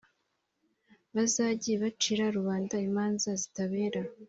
bazajye bacira rubanda imanza zitabera.